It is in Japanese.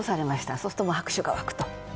そうすると拍手が沸くと。